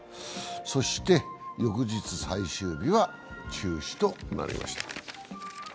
そして、翌日最終日は中止となりました。